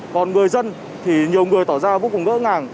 còn người dân thì nhiều người tỏ ra vô cùng ngỡ ngàng